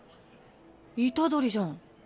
虎杖じゃん。